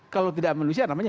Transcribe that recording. kalau tidak manusia namanya